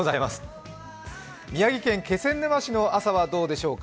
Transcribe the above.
宮城県気仙沼市の朝はどうでしょうか？